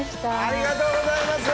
ありがとうございます。